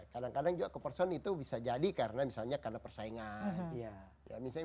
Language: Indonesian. kadang kadang juga ke person itu bisa jadi karena misalnya karena persaingan